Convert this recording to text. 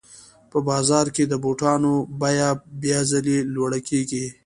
په بازار کې د بوټانو بیه بیا ځلي لوړه کېږي